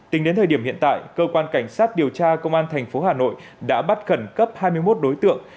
tính đến thời điểm hiện tại cơ quan cảnh sát điều tra công an thành phố hà nội đã bắt khẩn cấp hai mươi một đối tượng